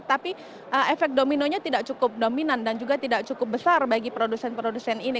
tapi efek dominonya tidak cukup dominan dan juga tidak cukup besar bagi produsen produsen ini